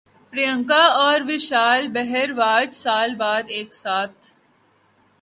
پریانکا اور وشال بھردواج سال بعد ایک ساتھ